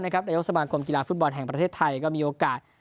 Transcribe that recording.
นายกสมาคมกีฬาฟุตบอลแห่งประเทศไทยก็มีโอกาส